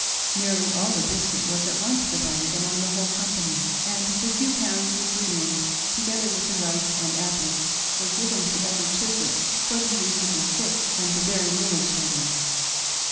Nearly all the biscuit was at once divided among the whole company, and the few pounds which remained, together with the rice and apples, were given to Elder Chislett for the use of the sick and the very little children.